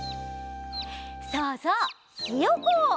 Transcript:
そうそうひよこ！